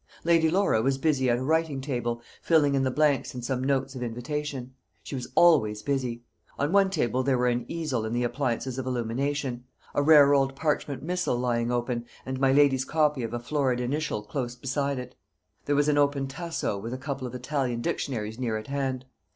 Lady Laura was busy at a writing table, filling in the blanks in some notes of invitation. She was always busy. On one table there were an easel and the appliances of illumination; a rare old parchment Missal lying open, and my lady's copy of a florid initial close beside it. On a small reading desk there was an open Tasso with a couple of Italian dictionaries near at hand.